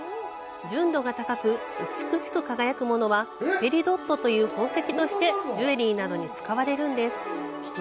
純度が高く、美しく輝くものはペリドットという宝石としてジュエリーなどに使われるんです。